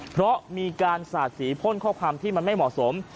เพราะมีการสาดสีพ่นข้อความที่มันไม่เหมาะสม